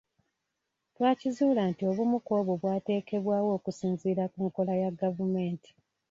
Twakizuula nti obumu ku bwo bwateekebwawo okusinziira ku nkola ya gavumenti.